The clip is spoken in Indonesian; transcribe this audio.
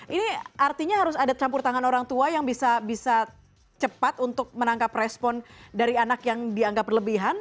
ini artinya harus ada campur tangan orang tua yang bisa cepat untuk menangkap respon dari anak yang dianggap berlebihan